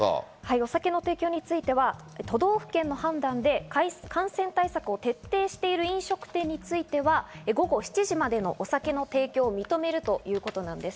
お酒の提供については都道府県の判断で感染対策を徹底している飲食店については午後７時までのお酒の提供を認めるということです。